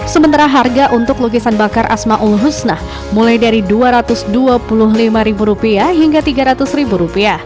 sementara harga untuk lukisan bakar ⁇ asmaul ⁇ husnah mulai dari rp dua ratus dua puluh lima hingga rp tiga ratus